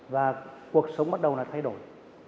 và cuộc sống bắt đầu là thay đổi